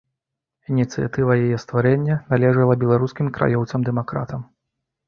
Ініцыятыва яе стварэння належала беларускім краёўцам-дэмакратам.